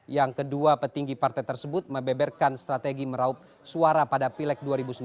yang kedua petinggi partai tersebut mebeberkan strategi meraup suara pada pileg dua ribu sembilan belas